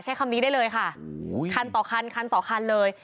ใช้คำนี้ได้เลยค่ะคันต่อคันคันต่อคันเลย